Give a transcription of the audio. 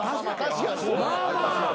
まあまあ。